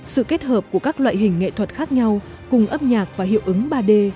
sự kết hợp của các loại hình nghệ thuật khác nhau cùng âm nhạc và hiệu ứng ba d